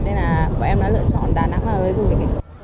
nên em đã lựa chọn đà nẵng là lối du lịch